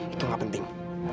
itu gak penting